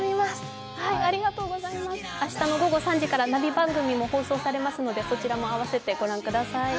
明日の午後３時よりナビ番組も放送されますので、そちらも併せて御覧ください。